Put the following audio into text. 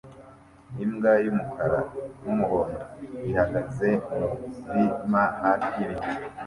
Imbwa y'umukara n'umuhondo ihagaze mu murima hafi y'ibiti